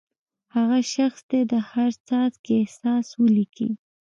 هغه شخص دې د هر څاڅکي احساس ولیکي.